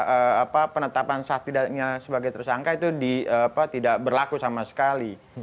jadi penetapan saat tidaknya sebagai tersangka itu tidak berlaku sama sekali